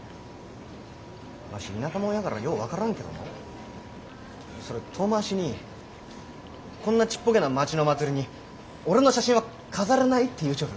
わし田舎者やからよう分からんけどのそれ遠回しに「こんなちっぽけな町の祭りに俺の写真は飾れない」って言うちょる？